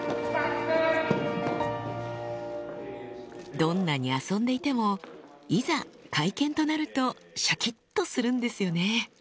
どんなに遊んでいてもいざ会見となるとしゃきっとするんですよね